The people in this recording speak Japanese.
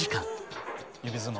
指相撲？